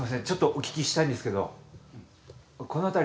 ちょっとお聞きしたいんですけど。